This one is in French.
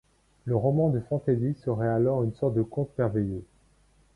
Le roman de fantasy serait alors une sorte de conte merveilleux.